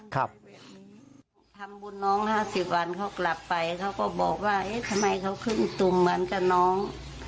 ทำบุญน้อง๕๐วันเขากลับไปเขาก็บอกว่าเอ๊ะทำไมเขาขึ้นตุ่มเหมือนกับน้อง